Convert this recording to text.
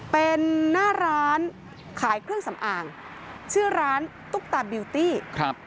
เป็นหน้าร้านขายเครื่องสำอางชื่อร้านตุ๊กตาบิวตี้ครับ